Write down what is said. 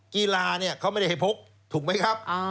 กีฬาเนี่ยเขาไม่ได้ให้พกถูกไหมครับ